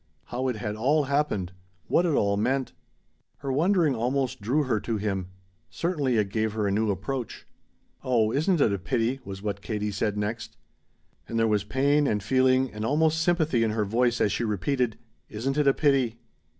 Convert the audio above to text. How it had all happened. What it all meant. Her wondering almost drew her to him; certainly it gave her a new approach. "Oh isn't it a pity!" was what Katie said next. And there was pain and feeling and almost sympathy in her voice as she repeated, "Isn't it a pity!"